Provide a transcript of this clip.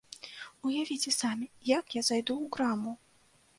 Уявіце самі, як я зайду ў краму?